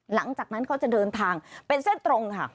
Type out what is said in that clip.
หลังจากนั้นเขาจะเดินทางเป็นเส้นตรงค่ะ